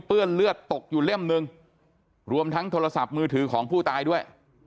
เลือดเลือดตกอยู่เล่มหนึ่งรวมทั้งโทรศัพท์มือถือของผู้ตายด้วย